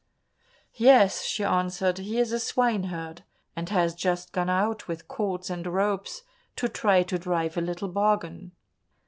"Yes," she answered, "he is a swineherd, and has just gone out with cords and ropes to try to drive a little bargain."